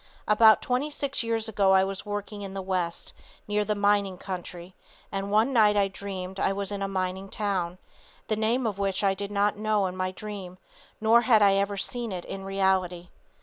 About 26 years ago I was working in the West near the mining country, and one night I dreamed I was in a mining town, the name of which I did not know in my dream, nor had I ever seen it in reality.